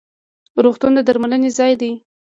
روغتون د درملنې ځای دی